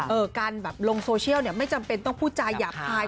การแบบลงโซเชียลเนี่ยไม่จำเป็นต้องพูดจาหยาบคาย